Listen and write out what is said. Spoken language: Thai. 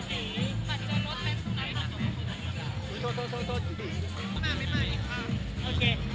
ซ้ายเขายังไม่บุกยู